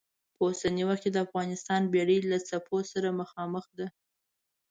په اوسني وخت کې د افغانستان بېړۍ له څپو سره مخامخ ده.